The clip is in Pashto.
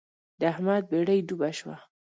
د احمد بېړۍ ډوبه شوه.